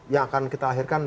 yang akan kita lahirkan